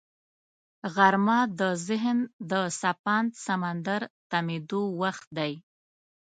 غرمه د ذهن د څپاند سمندر تمېدو وخت دی